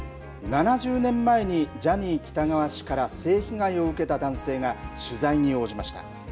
７０年前にジャニー喜多川氏から性被害を受けた男性が取材に応じました。